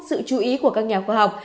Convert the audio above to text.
sự chú ý của các nhà khoa học